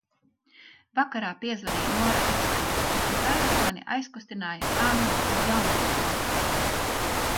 Vakarā piezvanīja Nora Ikstena, bet visvairāk mani aizkustinājā Anna no Jaungulbenes.